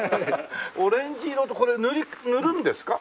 オレンジ色ってこれ塗るんですか？